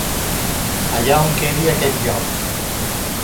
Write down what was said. Allà on quedi aquest lloc.